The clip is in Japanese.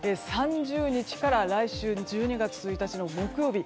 ３０日から来週１２月１日の木曜日。